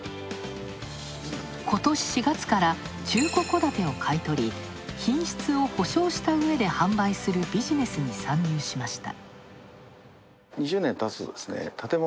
ことし４月から中古戸建てを買い取り、品質を保証したうえで販売するビジネスに参入しました。